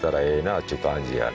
っちゅう感じやね